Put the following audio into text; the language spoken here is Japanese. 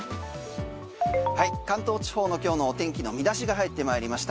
関東地方の今日のお天気の見出しが入ってまいりました。